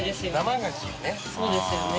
そうですよね。